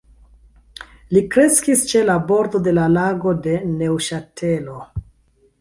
Li kreskis ĉe la bordo de Lago de Neŭŝatelo.